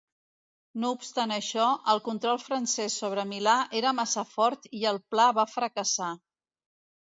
No obstant això, el control francès sobre Milà era massa fort i el pla va fracassar.